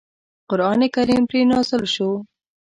قرآن کریم پرې نازل شو.